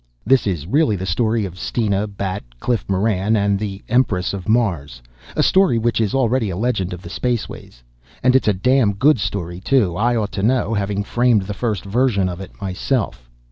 This is really the story of Steena, Bat, Cliff Moran and the Empress of Mars, a story which is already a legend of the spaceways. And it's a damn good story too. I ought to know, having framed the first version of it myself.